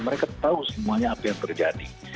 mereka tahu semuanya apa yang terjadi